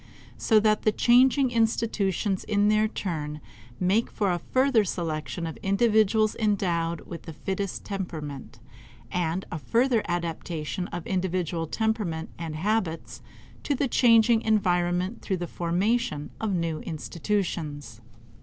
So that the changing institutions in their turn make for a further selection of individuals endowed with the fittest temperament, and a further adaptation of individual temperament and habits to the changing environment through the formation of new institutions.